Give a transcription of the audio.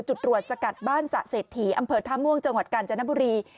จุดตรวจสกัดบ้านสะเศรษฐีอำเภอท่าม่วงจังหวัดกาญจนบุรี